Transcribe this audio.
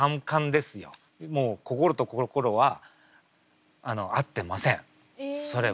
もう心と心は合ってませんそれは。